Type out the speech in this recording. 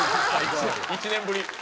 １年ぶり。